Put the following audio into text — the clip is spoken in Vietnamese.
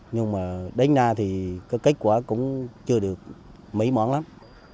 nhưng mà đến nay thì cái kết quả cũng chưa được mấy món lắm